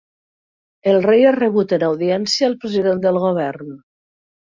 El rei ha rebut en audiència el president del govern.